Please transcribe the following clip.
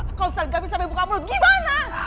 kalau misalnya gavin sampai buka mulut gimana